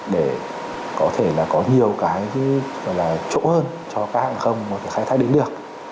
để có thể là có nhiều cái chỗ hơn cho các hãng không khai thác đến được